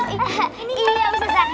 iya bu cetra